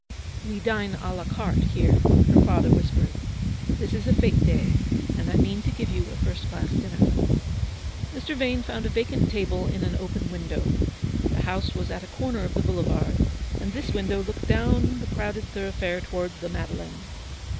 " We dine a la carte here," her father whis pered: "this is a fete day, and I mean to give you a first class dinner." Mr. Vane found a vacant table in an open window. The house was at a corner of the boulevard, and this window looked down the crowded thoroughfare towards the Madeleine.